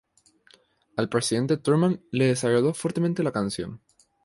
Al presidente Truman, le desagrado fuertemente la canción.